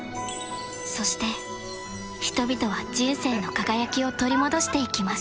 そして人々は人生の輝きを取り戻していきます